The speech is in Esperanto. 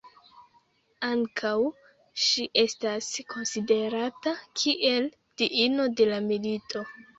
Ankaŭ ŝi estas konsiderata kiel diino de la milito.